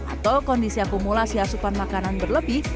atau kondisi apumulasi asupan makanan berlebih